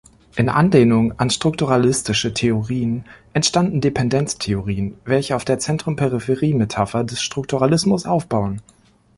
In Anlehnung an strukturalistische Theorien entstanden Dependenz-Theorien, welche auf der Zentrum-Peripherie-Metapher des Strukturalismus aufbauen.